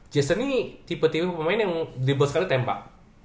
jason ini tipe tipe pemain yang ribut sekali tembak